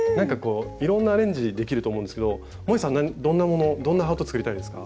いろんなアレンジできると思うんですがもえさんどんなものどんなハートを作りたいですか？